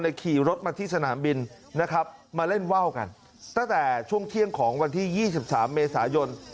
ขี่รถมาที่สนามบินนะครับมาเล่นว่าวกันตั้งแต่ช่วงเที่ยงของวันที่๒๓เมษายน